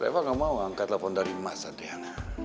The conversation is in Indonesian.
reva gak mau angkat telepon dari mas adhriana